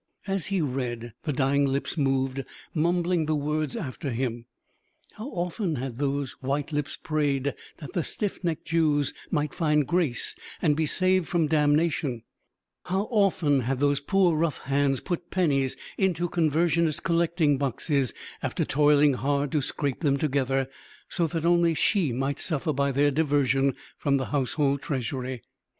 As he read, the dying lips moved, mumbling the words after him. How often had those white lips prayed that the stiff necked Jews might find grace and be saved from damnation; how often had those poor, rough hands put pennies into conversionist collecting boxes after toiling hard to scrape them together; so that only she might suffer by their diversion from the household treasury.